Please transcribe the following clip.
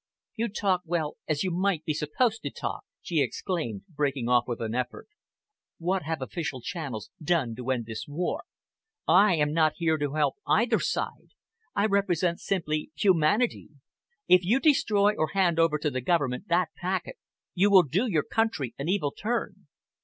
"You talk well, as you might be supposed to talk!" she exclaimed, breaking off with an effort. "What have official channels done to end this war? I am not here to help either side. I represent simply humanity. If you destroy or hand over to the Government that packet, you will do your country an evil turn."